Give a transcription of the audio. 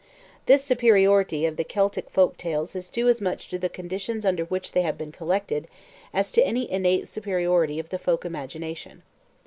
This superiority of the Celtic folk tales is due as much to the conditions under which they have been collected, as to any innate superiority of the folk imagination.